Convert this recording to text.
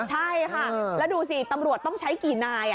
ใช่ค่ะแล้วดูสิตำรวจต้องใช้กี่นาย